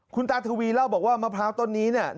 คุณตาทวีเล่าบอกว่ามะพร้าวต้นนี้เนี่ย